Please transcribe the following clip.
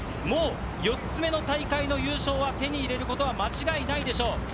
もう４つ目の大会の優勝は手に入れることは間違いないでしょう。